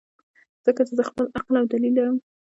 ځکه چې زۀ خپل عقل او دليل لرم -